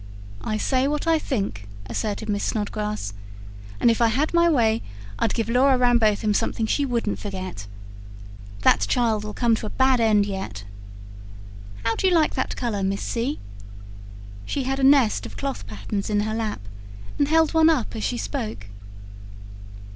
"I say what I think," asserted Miss Snodgrass. "And if I had my way, I'd give Laura Rambotham something she wouldn't forget. That child'll come to a bad end yet. How do you like that colour, Miss C.?" She had a nest of cloth patterns in her lap, and held one up as she spoke.